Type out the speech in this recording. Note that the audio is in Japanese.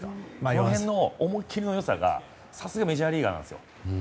この辺の思い切りの良さがさすがメジャーリーガーなんですよ。